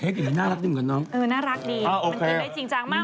รายการไม่ทำแล้วนะคะวันนี้เราจะกิน